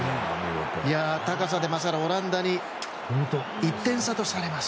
高さで勝るオランダに１点差とされます。